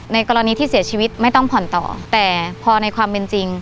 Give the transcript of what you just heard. กรณีที่เสียชีวิตไม่ต้องผ่อนต่อแต่พอในความเป็นจริง